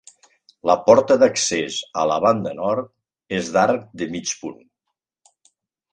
La porta d'accés, a la banda nord, és d'arc de mig punt.